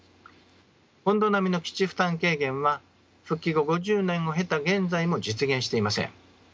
本土並みの基地負担軽減は復帰後５０年を経た現在も実現していません。